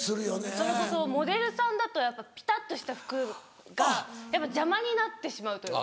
それこそモデルさんだとやっぱピタっとした服が邪魔になってしまうというか。